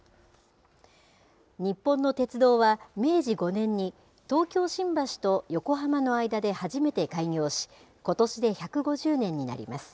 日本の鉄道は、明治５年に東京・新橋と横浜の間で初めて開業し、ことしで１５０年になります。